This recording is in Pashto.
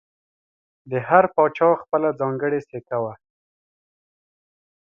د هر پاچا خپله ځانګړې سکه وه